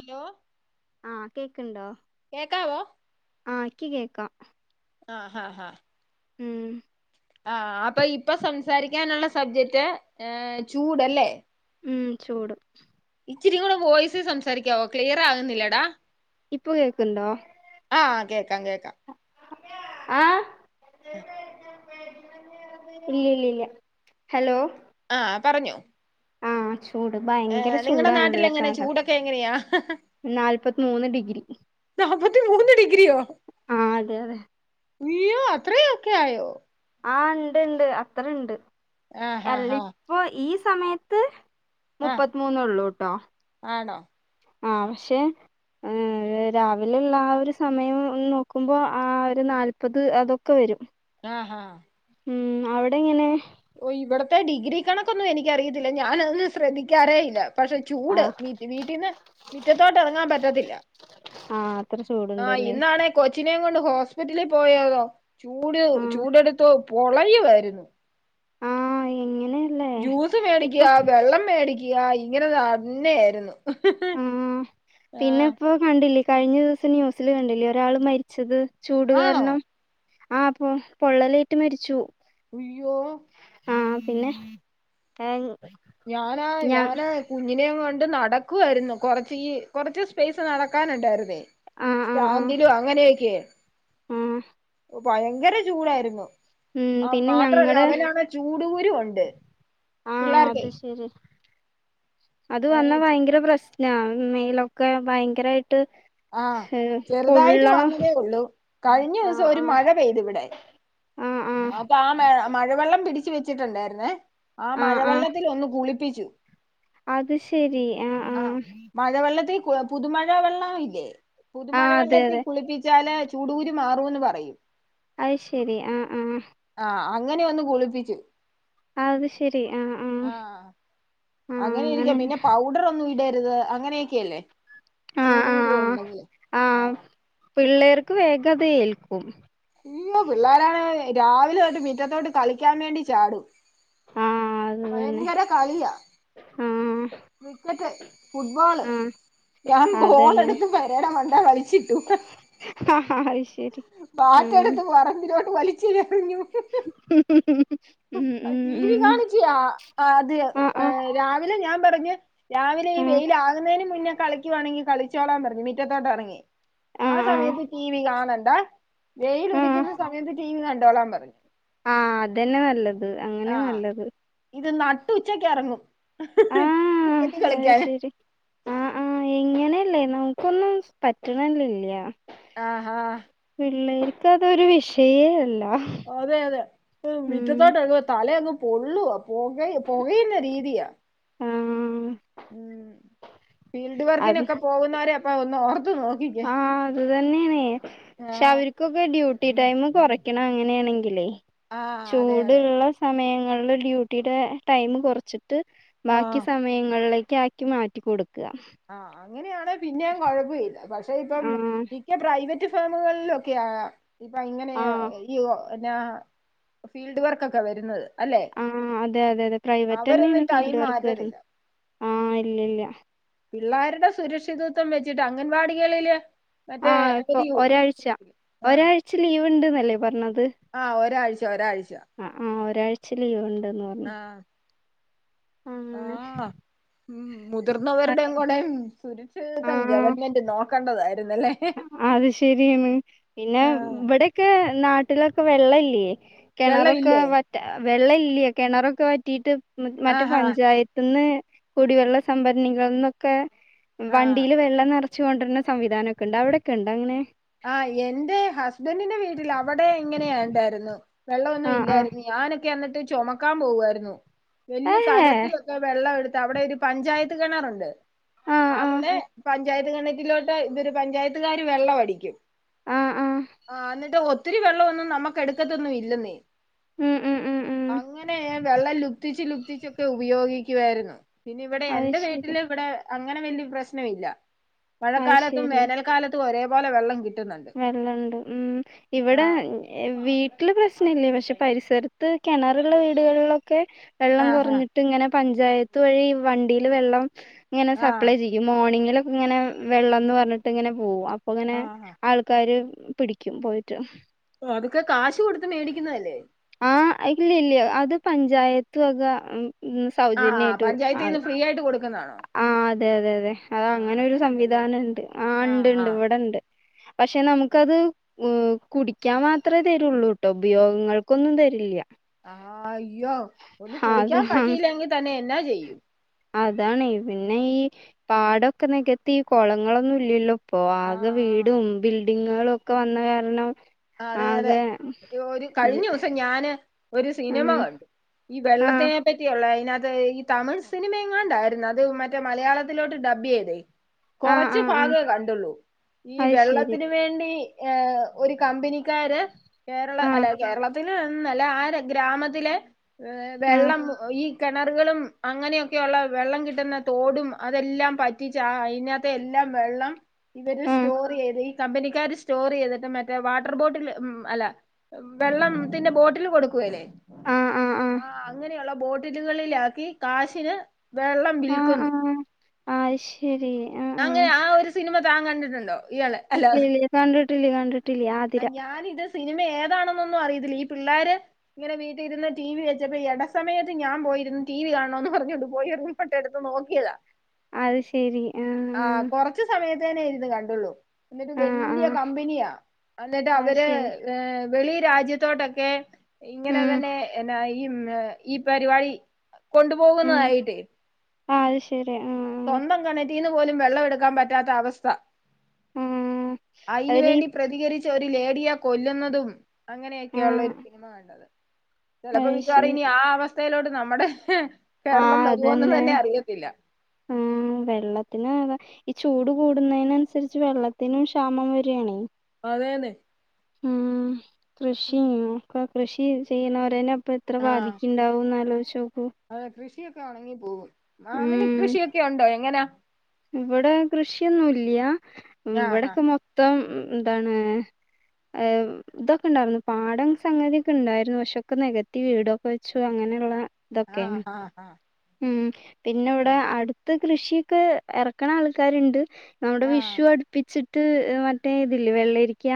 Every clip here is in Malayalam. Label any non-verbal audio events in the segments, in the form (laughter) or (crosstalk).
ഹലോ ആഹ കേക്ണ്ടോ കേക്കാവോ ആഹ ഇക്കി കേക്കാം ആഹ ഹഹ ഹഹ ഉം ആ അപ്പോ ഇപ്പോ സംസാരിക്കാനുള്ള സബ്ജക്റ്റ് ഏഹ് ചൂടല്ലേ ഉം ചൂട് ഇച്ചിരി കൂടെ വോയിസിൽ സംസാരിക്കാവോ ക്ലിയർ ആവുന്നില്ലേടാ ഇപ്പൊ കേക്കുണ്ടോ ആഹ് കേക്കാം കേക്കാം ആഹ് ഇല്ല ഇല്ല ഇല്ല ഹലോ ആ പറഞ്ഞോ ആഹ് ചൂ ചൂട് ഏ ഭയങ്കര നിങ്ങടെ നാട്ടിൽ ചൂടാണള്ളോ എങ്ങനെ കാലം ചൂടൊക്കെ എങ്ങനെയാ നാല്പത്തിമൂന്ന് ഡിഗ്രി നാപ്പത്തിമൂന്ന് ഡിഗ്രിയോ ആഹ് അതെ അതെ ഇയ്യോ അത്രയൊക്കെ ആയോ ആഹ് ഇണ്ട് ഇണ്ട് അത്തറണ്ട് ആ ഹാ ല്ല ഹാ ഇപ്പോ ഈ സമയത്ത് ആ മുപ്പത്തിമൂന്നള്ളൂട്ടോ ആണോ ആഹ് പക്ഷെ ഏഹ് രാവിലെുള്ള ആ ഒരു സമയം നോക്കുമ്പോൾ ആ ഒരു നാല്പത് അതൊക്കെ വരും ആഹ് ആഹ് ഉം അവിടെ എങ്ങനെ ഓഹ് ഇവിടത്തെ ഡിഗ്രി കണക്കൊന്നും എനിക്കറിയത്തില്ല ഞാനതൊന്നും ശ്രദ്ധിക്കാറേ ഇല്ല പക്ഷെ ചൂട് ആഹ് വി വീട്ടിന്ന് മിറ്റത്തോട്ട് എറങ്ങാൻ പറ്റത്തില്ല ആഹ് അത്ര ചൂടുണ്ടല്ലേ കൊച്ചിനേം കൊണ്ട് ഹോസ്പിറ്റലിൽ പോയതോ ചൂട് ആഹ് ചൂടെടുത്ത് പൊളയുവായിരുന്നു ആഹ് എങ്ങനെ ജ്യൂസ് മേടിക്കുക വെള്ളം മേടിക്കുക ഇങ്ങനെ തന്നെയായിരുന്നു ഉം പിന്നെ ആഹ് ഇപ്പോ കണ്ടില്ലേ കഴിഞ്ഞ ദിവസം ന്യൂസില് കണ്ടില്ലേ ഒരാള് മരിച്ചത് ചൂട് ആണോ കാരണം ആ പ്പൊ പൊള്ളലേറ്റ് മരിച്ചു ഉയ്യോ ആഹ പിന്നെ ഞാൻ കുഞ്ഞിനേം കൊണ്ട് നടക്കുവാരുന്നു കൊറച്ച് ഈ കൊറച്ച് സ്പേസ് നടക്കാനുണ്ടായിരുന്നേ ആഹ് ആഹ് ആഹ് സ്റ്റാൻഡിലും അങ്ങനെയൊക്കെ ആഹ് ഭയങ്കര ചൂടാരുന്നു ഉം ആഹ് പിന്നെ മാത്രല്ല ഞങ്ങടെ അവനാണെ ചൂട് കുരു ഒണ്ട് ആഹ് പിള്ളർക്കെ അത് ശരി അത് വന്നാ ഏഹ് ഭയങ്കര പ്രശ്ന മേലൊക്കെ ഭയങ്കരായിട്ട് ആഹ് ഏഹ് ചെറുതായിട്ട് പൊള്ളണ വന്നതേ ഒള്ളൂ കഴിഞ്ഞ ആഹ് ദിവസം ഒരു ആഹ് മഴ പെയ്ത് ഇവിടെ ആഹ് ആഹ് അ ആ മ മഴവെള്ളം പിടിച്ച് വെച്ചിട്ടുണ്ടായിരുന്നേ ആ ആഹ് ആഹ് മഴവെള്ളത്തിൽ ഒന്നു കുളിപ്പിച്ചു അത് ശെരി ആഹ് ആഹ് ആഹ് മഴവെള്ളത്തി കു പുതുമഴ വെള്ളം ഇല്ലേ ആഹ് അതെ പുതുമഴവെള്ളത്തി അതെ കുളിപ്പി ചാല ചൂടുകുരു മാറൂന്ന് പറയും അയ് ശരി ആഹ് ആഹ് ആഹ് അങ്ങനെ ഒന്ന് കുളിപ്പിച്ച് അത് ശെരി ആഹ് ആഹ് ആഹ് അങ്ങനെ ഇരിക്ക അങ്ങനെണ് പിന്നെ പൗഡറൊന്നും ഇടരുത് അങ്ങനെയൊക്കെയല്ലേ ആഹ് ചൂട് കൂരു ആഹ് ആഹ് ഒണ്ടെങ്കില് ആഹ് പിള്ളേർക്ക് വേഗതേൽക്കും ഉം പിള്ളോരാണെ രാവിലെ തൊട്ട് മിറ്റത്തോട്ട് കളിക്കാൻ വേണ്ടി ചാടും ആഹ് അത് തന്നെ ഭയങ്കര കളിയാ ആഹ് ക്രിക്കറ്റ് ഫുട്ബോള് ആഹ് ഞാൻ ബോൾ അതന്നെ എടുത്ത് പേരെടെ മണ്ടേ അടിച്ചിട്ടു (inaudible) ഉം പാട്ടെടുത്ത് പറമ്പിലോട്ട് വലിച്ചില്ലറിഞ്ഞു ഉം ഉം ടി വി ഉം കാണിച്ചയാ ആദ്യം ആഹ് ആഹ് ഏഹ് രാവിലെ ഞാൻ പറഞ്ഞ് രാവിലെ ഈ വെയിലാകുന്നേന് മുന്നേ കളിക്കുവാണെങ്കി കളിച്ചോളാൻ പറഞ്ഞ് മിറ്റത്തോട്ടെറങ്ങി ആഹ് ആ ആഹ് ആഹ് സമയത്ത് ടി വി കാണണ്ടാ വെയില് ആഹ് ഉദിക്കുന്ന സമയത്ത് ടി വി കണ്ടോളാൻ പറഞ്ഞ് ആഹ അതന്നെ നല്ലത് അങ്ങനെ ആഹ് നല്ലത് ഇത് നട്ട് ഉച്ചക്കറങ്ങും അയ് ശരി ആഹ് ആഹ് ഇങ്ങനെയല്ലേന്നു നമുക്കൊന്നും പറ്റ്ണെന്നെല്ല്യ ആഹാ പിള്ളേർക്ക് അതൊരു വിഷയേ അല്ല അതെ അതെ ഉം മിറ്റത്തോട്ടടു തല പൊള്ളുവ പുക പുകയുന്ന രീതിയ ഉം ഉം ഫീൽഡ് അത് വർക്കിനൊക്കെ പോകുന്നവരെ അപ്പൊ ഒന്ന് ഓർത്ത നോക്കിക്കേ ആ അത് തന്നെയണ പക്ഷെ ആഹ് അവർക്കൊക്കെ ഡ്യൂട്ടി ടൈം കുറയ്ക്കണം അങ്ങനെയാണെങ്കിലേ ആഹ് അതെ അതെ ചൂടുള്ള സമയങ്ങളില് ഡ്യൂട്ടിയുടെ ടൈം കുറച്ചു ട്ട് ബാക്കി ആഹ് സമയങ്ങളിലേക്ക് ആക്കി മാറ്റി കൊടുക്കുക ആഹ് അങ്ങനെയാണ് പിന്നെയും കുഴപ്പ മില്ല പക്ഷെ ഇപ്പം ആഹ് മിക്ക പ്രൈവ- - മറ്റ് ഫാമുകളിലൊക്കെയ ഇപ്പൊ ഇങ്ങനെയ ആഹ് പിന്നാ ഫീൽഡ് വർക്ക് ഒക്കെ വരുന്നത് അല്ലെ ആഹ് അതെ അതെ അതെ പ്രൈവറ്റ് അവരൊന്നും തന്നെയാണ് ടൈം ഫീൽഡ് വർക്ക് മാറ്റത്തില്ല വരുന്നത് ആഹ് ഇല്ല ഇല്ല പിള്ളേരുടെ സുരക്ഷിതത്വം വെച്ചിട്ട് അംഗൻവാടികളില് മറ്റേ ആഹ് ഇപ്പൊ അവര് ഒരാഴ്ച ആഹ് ഒരാഴ്ച ലീവ് ഉണ്ട്ന്നല്ലേ പറഞ്ഞത് ആഹ് ഒരാഴ്ച ഒരാഴ്ച ആഹ് ആഹ് ഒരാഴ്ച ലീവ് ഉണ്ടന്ന് പറഞ്ഞു ആഹ് അങ്ങനെ ആഹ് ഉ മുതിർന്നവരുടെയും കൂടെ സുരക്ഷിതത്വം ആഹ് ഗവൺമെന്റ് നോ കണ്ടതായിരുന്നല്ലേ അത് ശരിയാണ് പിന്നെ ആഹ് ഇവിടെയക്കെ നാട്ടിലൊക്കെ വെള്ളല്ലേ കിണറൊക്കെ വെള്ളമില്ലേ വറ്റ വെള്ള ഇല്ല കിണറൊക്കെ വറ്റിട്ട് മറ്റേ ആഹാ പഞ്ചായത്തിന്ന് കുടിവെള്ള സംഭരണികളിൽ നിന്നൊക്കെ ആഹ് വണ്ടിയില് വെള്ളം നിറച്ചു കൊണ്ടു വരുന്ന സംവിധാനം ഒക്കെണ്ട്ടൊക്കെ ഉണ്ട്ങ്ങനെ ആഹ് എന്റെ ഹസ്ബൻന്റെ വീട്ടിൽ അവിടെ ഇങ്ങനെയുണ്ടായിരുന്നു വെള്ളമൊന്നും ആഹ് ആഹ് ഇല്ലായിരുന്നു ഞാനൊക്കെ എന്നിട്ട് ചുമക്കാൻ പോവായിരുന്നു വല്യയ ഏഹ് കലത്തിൽ വെള്ളം എടുത്ത് അവിടെ ഒരു പഞ്ചായത്ത് കിണറുണ്ട് ആഹ് ആഹ് അവിടെ പഞ്ചായത്ത് കിണറ്റിലോട്ട് ഇവര് പഞ്ചായത്തുകാര് വെള്ളം അടിക്കും ആഹ് എന്നിട്ട് ഒത്തിരി വെള്ളം ഒന്നും നമ്മുക്ക് എടുക്കത്തൊന്നും ഇല്ലെന്നേ ഉം ഉം ഉം ഉം അങ്ങനെ വെള്ളം ലുപ്തിച്ച് ലുപ്തിച്ച് ഒക്കെ ഉപയോഗിക്കുമായിരുന്നു പിന്നെ ഇവിടെ അത് എന്റെ വീട്ടിൽ ശരി ഇവിടെ അങ്ങനെ വലിയ പ്രശ്നം ഇല്ല അത് മഴക്കാലത്തും ശരി വേനൽക്കാലത്തും ഒരേ പോലെ വെള്ളം കിട്ടും വെള്ളണ്ട് ഉം ഇവടെ ആഹ് വീട്ടില് പ്രശ്ന ഇല്ലേ പക്ഷെ പരിസരത്ത് കിണറുകളുള്ള വീടുകളിലൊക്കെ വെള്ളം ആഹ് ആഹ് കുറഞ്ഞിട്ട് ഇങ്ങനെ പഞ്ചായത്ത് വഴി വണ്ടിൽ വെള്ളം ഇങ്ങനെ ആഹ് സപ്ലൈ ചെയ്യും ഈ മോർണിങ്ങിലൊക്കെ ഇങ്ങനെ വെള്ളംന്ന് പറഞ്ഞിട്ട് ഇങ്ങനെ പോവും അപ്പൊ ഇങ്ങനെ ആഹ് ആൾക്കാര് പിടിക്കും പോയിട്ട് അതൊക്കെ കാശ് കൊടുത്ത് മേടിക്കുന്നതല്ലേ ആഹ് ഇല്ല ഇല്ല അത് പഞ്ചായത്ത് വക ആഹ് സൗജന്യായിട്ട് ആൾ പഞ്ചായത്തിന്ന് ഫ്രീ ആയിട്ട് കൊടുക്കുന്നതാണോ ആഹ് അതെ അതെ അതെ അത ആഹ് അങ്ങനെ ഒരു അങ്ങനെണ്ടല്ലേ സംവിധാനം ഉണ്ട് ആ ഉണ്ട് ആഹ് ഉണ്ട് ആഹ് ഇവിടെണ്ട് പക്ഷെ നമുക്കത് ഏ കുടിക്കാൻ മാത്രമേ തരുള്ളൂ ട്ടോ ഉപയോഗങ്ങൾക്കൊന്നും തരില്ല ആ അയ്യോ ഒന്നും അത് കുളിക്കാൻ പറ്റിയില്ലെങ്കിൽ തന്നെ എന്നാ ചെയ്യും അതാണ് പിന്നെ ഈ പാടൊക്കെ നികത്തി ഈ കുളങ്ങളൊന്നും ഇല്ലല്ലോ പോ ആകെ ആഹ് ആഹ് വീടും ബിൽഡിങ്ങുകളും ഒക്കെ വന്ന കാരണം അതെ അതെ ആകെ ഒരു ഇത് കഴിഞ്ഞ ദിവസം ഞാന് ഒരു സിനിമ ആഹ് കണ്ടു ഈ ആഹ് വെള്ളത്തിനെ പറ്റിയുള്ള അതിനകത്ത് ഈ തമിഴ് സിനിമയങ്ങാണ്ട് ആയി യിരുന്നു അത് മറ്റേ മലയാളത്തിലോട്ട് ഡബ് ചെയ്തേ ആഹ് കുറച്ച് ആഹ് ആഹ് ഭാഗേ കണ്ടുള്ളൂ ഈ അത് ശരി വെള്ളത്തിന് വേണ്ടി ഒരു കമ്പനി ക്കാര് കേരള ആഹ് അല്ലെ കേരളത്തിന്നല്ല ആ ഗ്രാമത്തിലെ ഏ ആഹ് വെള്ളം ഈ കിണറുകളും അങ്ങനെയൊക്കെയുള്ള വെള്ളം കിട്ടുന്ന തോടും അതെല്ലാം പറ്റിച്ച് അതിനകത്ത് പ്പ എല്ലാം വെള്ളം ഇവര് ആഹ് സ്റ്റോർ ചെയ്ത് ഈ കമ്പനിക്കാർ സ്റ്റോർ ചെയ്തിട്ട് മ- റ്റെ വാട്ടർ ബോട്ടില് ഉം അല്ല വെള്ളംത്തിന്റെ ബോട്ടിൽ കൊടുക്കൂല്ലേ ആഹ് അങ്ങനെയുള്ള ബോട്ടിലുകളിലാക്കി കാശിന് വെള്ളം ആഹ് ആഹ് വിൽക്കുന്നു ആഹ് അയ് ശരി ആഹ് അങ്ങനെ ആഹ് ആ ഒരു സിനിമ താൻ കണ്ടിട്ടുണ്ടോ ഇയാള് അല്ല ഇല്ലല്ല കണ്ടിട്ടില്ല കണ്ടിട്ടില്ല ആതിര ഞാനിത് സിനിമ ഏതാണെന്നൊന്നും അറിയത്തില്ല ഈ പിള്ളേര് ഇങ്ങനെ വീട്ടിൽ ഇരുന്ന് ടി വി വെച്ചപ്പോ എട സമയത്ത് ഞാൻ പോയിരുന്നു ടി വി കാണണോന്ന് പറഞ്ഞോണ്ട് പോയിരുന്നു ഇപ്പട്ടെടുത്ത് എടുത്ത് നോക്കിയതാ അത് ശരി ആഹ് ആഹ് കൊറച്ച് സമയത്തേനെ ഇരുന്നു കണ്ടുള്ളൂ എന്നിട്ട് ആഹ് വല്ല്യ ആഹ് കമ്പനിയാ എന്നിട്ട് അത് അവര് ശരി ഏഹ് വെളി രാജ്യത്തോട്ടൊക്കെ ഇങ്ങനെ ഉം തന്നെ എന്നാ ഈ ഈ പരിപാടി കൊണ്ടു ഉം പോകുന്നതായിട്ടേ ആഹ് അത് ശരി ആഹ് സ്വന്തം കെണറ്റീന്ന് പോലും വെള്ളം എടുക്കാൻ പറ്റാത്ത അവസ്ഥ ആഹ് അയിന് അതില് വേണ്ടി പ്രതികരിച്ച ഒരു ലേഡിയെ കൊല്ലുന്നതും അങ്ങനെയൊക്കെയുള്ള ആഹ് ഒരു സിനിമ കണ്ടത് ചെലപ്പോ അത് മിക്കവാറും ശരി ഇനി ആ അവസ്ഥയിലോട്ട് നമ്മുടെ കേരളം ആഹ് വരുവോന്ന് അതന്നെ തന്നെ അറിയത്തില്ല ആഹ് വെള്ളത്തിന് (unintelligible) ഈ ചൂട് കൂടുന്നതിനനുസരിച്ച് വെള്ളത്തിനും ക്ഷാമം വരാണെ അതേന്നെ ഉം കൃഷിം ഒക്കെ കൃഷി ചെയ്യുന്നവരെന്നെ ഇപ്പൊ എത്ര ആഹ് ബാധിക്കിണ്ടാവും എന്ന് ആലോചിച്ച് നോക്കു അതെ കൃഷിയൊക്കെ ഒണങ്ങിപ്പോകും മാമന് ഉം കൃഷിയൊക്കെ ഉണ്ടോ എങ്ങനാ ഇവിടെ കൃഷിയൊന്നും ഇല്ല ആഹ് ഇവിടൊക്കെ മൊത്തം എന്താണ് ഏഹ് ഇതൊക്കെ ഉണ്ടായിരുന്നു പാടം സംഗതി ഒക്കെ ഉണ്ടായിരുന്നു പക്ഷെ ഒക്കെ നികത്തി വീടോ ക്കെ വെച്ചു അങ്ങനെയുള്ള ഇതൊക്കെയാണ് ആഹ് ആഹ് ആഹ് ഉം പിന്നെ ഇവിടെ അടുത്ത് കൃഷിയൊക്കെ എറക്ക്ണ ആൾക്കാരുണ്ട് നമ്മുടെ ആഹ് വിഷു അടുപ്പിച്ചിട്ട് മറ്റേ ഇതില്ലേ വെള്ളരിക്ക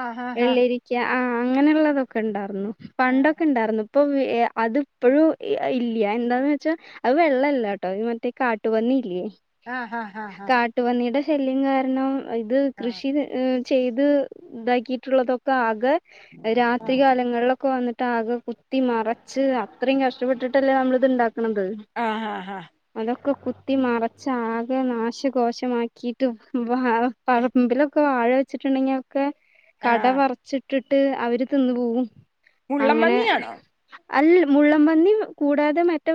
ആഹ് വെള്ളരി ക്ക ആഹ് അങ്ങനെയുള്ളതൊക്കെ ഉണ്ടാർന്നു ആഹ് പണ്ടൊക്കെ ഉണ്ടാർന്നു ഇപ്പൊ വ് ഏഹ് അത് ഇപ്പഴും എ ഇല്ലാ എന്താന്ന് വെ- ച്ചാ അത് വെള്ളല്ലാട്ടോ മറ്റേ കാട്ടുപന്നില്ലേ ആഹ് ആഹ് ആഹ് ആഹ് ട്ട് പന്നിയുടെ ശല്യം കാരണം ഇത് കൃഷി ഏഹ് ചെയ്ത് ഇതാക്കിയിട്ടുള്ളതൊക്കെ ആകെ രാത്രികാലങ്ങളിലൊക്കെ വന്നി ട്ടാകെ കുത്തി മറച്ച് അത്രയും കഷ്ടപ്പെട്ടിട്ടല്ലേ നമ്മള് ഇത് ഇണ്ടാക്ക്ണത് ആഹ് ആഹ് ആഹ് അതൊക്കെ കുത്തി മറച്ച് ആകെ നാശകോശമാ ക്കീട്ട് വാഴ പറമ്പിലൊക്കെ വാഴ വെച്ചിട്ടുണ്ടെങ്കിൽ ഒക്കെ കട ആഹ് പറച്ചിട്ടി ട്ട് അവര് തിന്ന് പോവും മുള്ളൻ അങ്ങനെ പന്നിയാണോ അല്ല മുള്ളം പന്നി കൂടാതെ മറ്റേ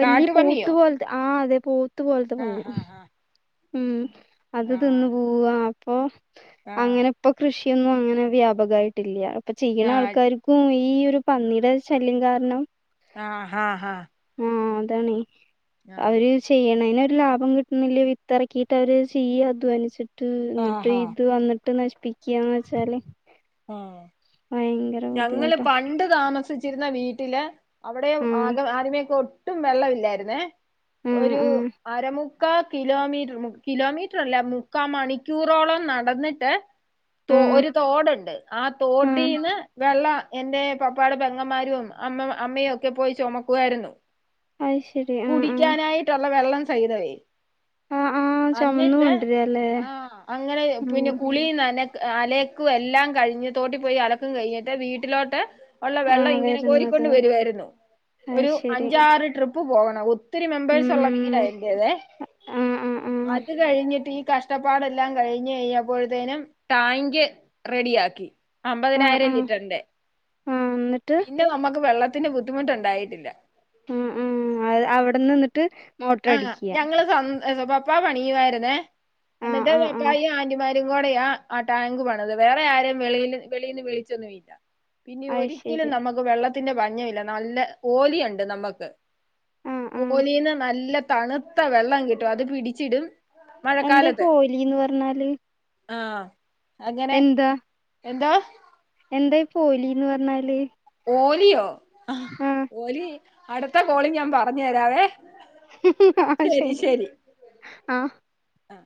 വലിയ പോത്ത് കാട്ടുപന്നിയോ പോലെത്തെ ആഹ് അതെ പോ ത്ത് പോലത്തെ പന്നി ആഹ് ആഹ് ഉം അത് തിന്നു ആഹ് പോവാ അപ്പൊ ആഹ് അങ്ങനെ ഇപ്പൊ കൃഷിയൊന്നും അങ്ങനെ വ്യാപകായിട്ടില്ല അപ്പൊ ചെയ്യ്ണ ഞാൻ ആൾക്കാർ ക്കും ഈ ഒരു പന്നിയുടെ ശല്യം കാരണം ആ ഹാ ഹാ ആ അതാണെ അവര് ചെയ്യ്ണേണ് ഒര് ലാഭം കിട്ട്ണില്ലേ വി ത്തറക്കീട്ട് അവര് ചെയ്യ അധ്വാനിച്ചിട്ട് ന്നട്ട് ആഹാ ഇത് വന്ന് ട്ട് നഷ്പ്പിക്ക്യാന്ന് വെച്ചാല് ഏഹ് ഭയങ്കര ഞങ്ങള് ബുദ്ധിമുട്ടാ പണ്ട് താമസിച്ചിര്ന്ന വീട്ടില് അവടെ ഉം ആക ആദ്യമെക്കെ ഒട്ടും വെള്ളമില്ലായിര്ന്നേ ഉം ഒരു ഉം അരമു മുക്കാ കിലോമീറ്ററ് കിലോമീറ്ററ് അല്ല മുക്കാ മണിക്കൂറോളം നടന്നിട്ട് തോ ഉം ഒരു തോട് ഇണ്ട് ആ ഉം തോട്ടീന്ന് വെ ള്ള എന്റെ പപ്പാടെ പെങ്ങമാരും അമ്മ അമ്മയും ഒക്കെ പോയി ചോമക്കുവായിര്ന്നു അത് ശരി ആഹ് ആഹ് കുടിക്കാനായിട്ട്ള്ള വെള്ളം സഹിതവേ ആഹ് ആഹ് ചുമന്ന് അന്നിട്ട് കൊണ്ടുവരല്ലേ ആ അങ്ങനെ പിന്നെ ഉം കുളി ന്നന അലെക്കും എല്ലാം കഴിഞ്ഞ് തോട്ടി പോയി അലക്കും കഴിഞ്ഞിട്ട് വീട്ടിലോട്ട് ഒള്ള വെള്ളം ആഹ് ഇങ്ങനെ വരുന്നത് കോരിക്കൊണ്ട് വരുവായിരുന്നു അത് ഒരു ശരി അഞ്ചാറ് ട്രിപ്പ് പോകണം ഒ ഒത്തിരി മെമ്പേഴ്സ് ഉള്ള ഉം വീടായിരിക്കു അല്ലെ ആഹ് ആഹ് ആഹ് അത് കഴിഞ്ഞിട്ട് ഈ കഷ്ടപ്പാടെല്ലാം കഴിഞ്ഞ് കഴിഞ്ഞപ്പോയ്‌ത്തേനും ടാങ്ക് റെഡി ആക്കി ആഹ് അമ്പതിനായിരം ആഹ് ലിറ്റർന്റെ ആഹ് എന്നിട്ട് പി ന്നെ നമുക്ക് വെള്ളത്തിന് ബുദ്ധിമുട്ട് ഇണ്ടായിട്ടില്ല ഉം ഉം അത് അവടെ നിന്ന്ട്ട് ആഹ് ഞങ്ങള് പപ്പാ പണിയുമായിരുന്നേ ആഹ് എന്നിട്ട് ആഹ് ആഹ് പപ്പായും ആന്റിമാ കൂടെയാ ആ ടാങ്ക് പണിത് വേറെ ആരും വെളിയില് വെളീന്ന് വിളിച്ചൊന്നും ഇല്ല ഇനി അത് ഒരിക്കലും ശരി നമുക്ക് വെള്ളത്തിന്റെ പഞ്ഞവില്ല നല്ല ഓലിയുണ്ട് നമക്ക് ആഹ് ആഹ് ഓലീന്ന് നല്ല തണ്ത്ത വെള്ളം കിട്ടും അത് പിടിച്ചിടും മഴക്കാലത്ത് എന്തേപ്പ ഓലീന്ന് പർഞ്ഞാല് ആഹ് അങ്ങനെ എന്ദോ എന്തേപ്പൊ ഓലീന്ന് പർഞ്ഞാല് ഓലിയോ ഓലി അട്ത്ത കോളിൽ ഞാൻ പറഞ് തരാവേ ആഹ് ശരി ആഹ് ആഹ്